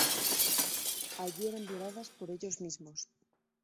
Allí eran violadas por ellos mismos.